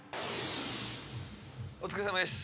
お疲れさまです。